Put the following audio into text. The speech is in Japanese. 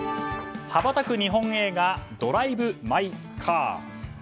羽ばたく日本映画「ドライブ・マイ・カー」。